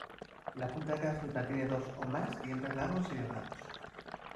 La punta de cada fruta tiene dos o más dientes largos y delgados.